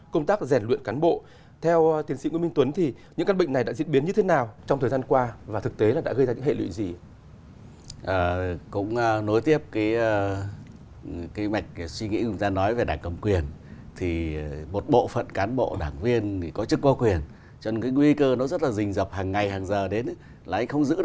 công tác giáo dục của tổ chức cũng không